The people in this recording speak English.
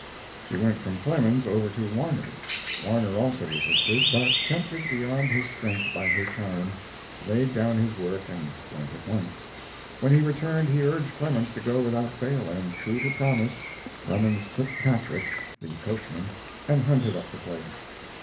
She went from Clemens's over to Warner's. Warner also resisted, but, tempted beyond his strength by her charm, laid down his work and went at once. When he returned he urged Clemens to go without fail, and, true to promise, Clemens took Patrick, the coachman, and hunted up the place.